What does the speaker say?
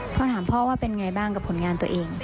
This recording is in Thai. พ่อถามพ่อว่าเป็นไงบ้างกับผลงานตัวเอง